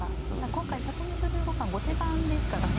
今回里見女流五冠後手番ですからね。